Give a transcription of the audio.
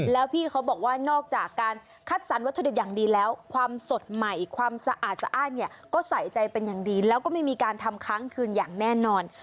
แล้วพี่เขาบอกว่านอกจากการคัดสรรวัตถุดิบอย่างดีแล้วความสดใหม่ความสะอาดสะอ้านเนี่ยก็ใส่ใจเป็นอย่างดีแล้วก็ไม่มีการทำค้างคืนอย่างแน่นอน